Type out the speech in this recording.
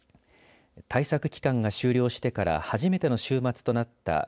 対策期間が終了してから初めての週末となった